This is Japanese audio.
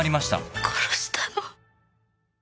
「殺したの？」